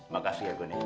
makasih ya gun gun